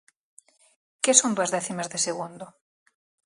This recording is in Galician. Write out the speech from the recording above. Que son dúas décimas de segundo?